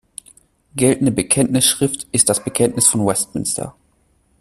Geltende Bekenntnisschrift ist das Bekenntnis von Westminster.